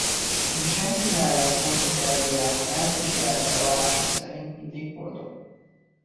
Így senki mellett nem kötelezi el magát és saját bevallása szerint mindig boldog.